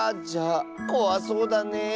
じゃあこわそうだね。